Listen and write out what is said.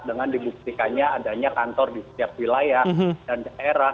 dengan dibuktikannya adanya kantor di setiap wilayah dan daerah